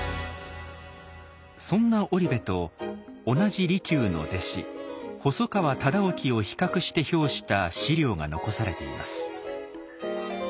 そんな織部と同じ利休の弟子細川忠興を比較して評した史料が残されています。